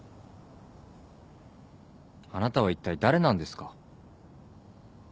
あなたはいったい誰なんですか？